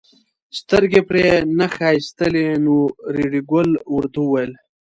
سترګې پرې نه ښایستلې نو ریډي ګل ورته وویل.